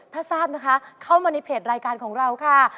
ถ้าทราบนะคะเข้ามาในเพจรายการของเราค่ะ